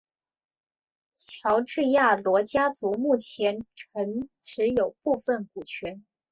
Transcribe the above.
乔治亚罗家族目前仍持有部份股权。